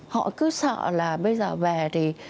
họ cứ sợ là bây giờ về thì